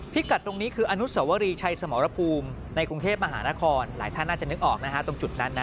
กัดตรงนี้คืออนุสวรีชัยสมรภูมิในกรุงเทพมหานครหลายท่านน่าจะนึกออกนะฮะตรงจุดนั้นนะ